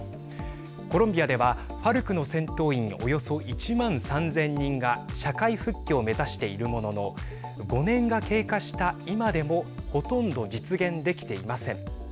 コロンビアではＦＡＲＣの戦闘員およそ１万３０００人が社会復帰を目指しているものの５年が経過した今でもほとんど実現できていません。